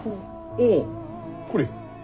おおこれ。